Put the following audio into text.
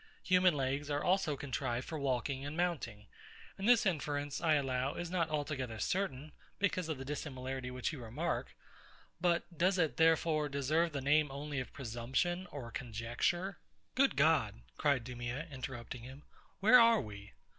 Human legs are also contrived for walking and mounting; and this inference, I allow, is not altogether so certain, because of the dissimilarity which you remark; but does it, therefore, deserve the name only of presumption or conjecture? Good God! cried DEMEA, interrupting him, where are we?